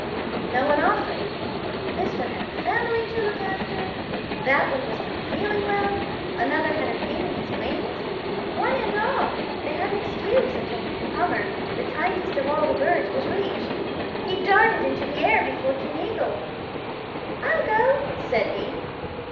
"No one offered. This one had a family to look after. That one was not feeling well. Another had a pain in his wings. One and all they had an excuse until Hummer, the tiniest of all the birds, was reached. He darted into the air before King Eagle. 'I'll go,' said he.